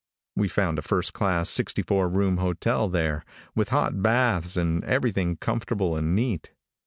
We found a first class sixty four room hotel there, with hot baths, and everything comfortable and neat.